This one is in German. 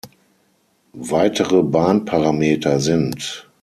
Weitere Bahnparameter sind